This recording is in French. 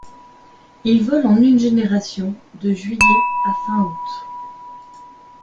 Il vole en une génération, de juillet à fin août.